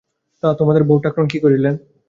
তা তোমাদের বউ-ঠাকরুন কী করিলেন?